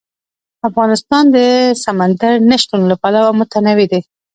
افغانستان د سمندر نه شتون له پلوه متنوع دی.